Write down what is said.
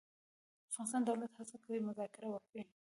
د افغانستان دولت هڅه کوي مذاکره وکړي.